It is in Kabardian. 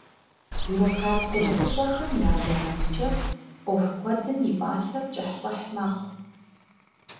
Бюрократ къулыкъущӏэхэм я зэранкӏэ ӏуэху куэдым я пӏалъэр кӏыхьлӏыхь мэхъу.